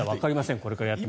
これからやっていくと。